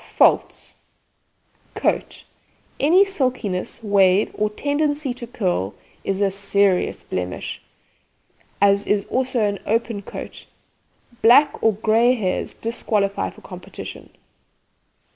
FAULTS: COAT Any silkiness, wave, or tendency to curl is a serious blemish, as is also an open coat. Black or grey hairs disqualify for competition.